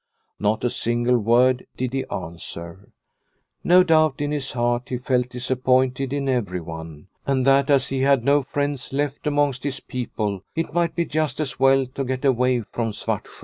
Not a single word did he answer. No doubt in his heart he felt disap pointed in everyone, and that as he had no friends left amongst his people it might be just as well to get away from Svartsjo.